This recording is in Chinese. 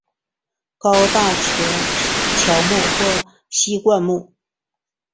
高大乔木或稀灌木。